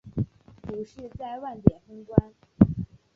股市在万点封关